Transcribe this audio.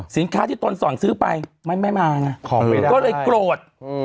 สินค้าที่ตนสั่งซื้อไปมันไม่มาไงก็เลยโกรธ